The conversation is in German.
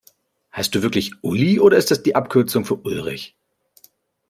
Heißt du wirklich Uli, oder ist das die Abkürzung für Ulrich?